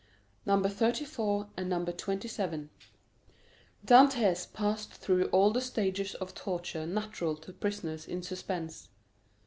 Number 34 and Number 27 Dantès passed through all the stages of torture natural to prisoners in suspense.